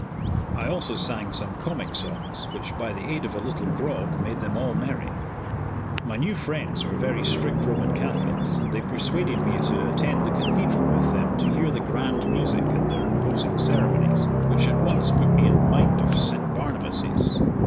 I also sang some comic songs, which, by the aid of a little grog, made them all merry. My new friends were very strict Roman Catholics, and they persuaded me to attend the Cathedral with them to hear the grand music and their imposing ceremonies, which at once put me in mind of St. Barnabas's.